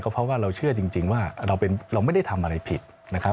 เพราะว่าเราเชื่อจริงว่าเราไม่ได้ทำอะไรผิดนะครับ